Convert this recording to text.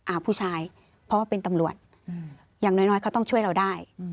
ผู้ชายเพราะว่าเป็นตำรวจอย่างน้อยน้อยเขาต้องช่วยเราได้